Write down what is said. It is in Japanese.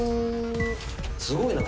すごいな。